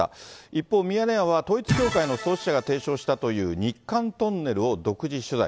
一方、ミヤネ屋は統一教会の創始者が提唱したという日韓トンネルを独自取材。